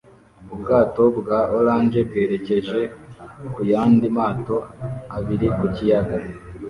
Ubwato bwa orange bwerekeje ku yandi mato abiri ku kiyaga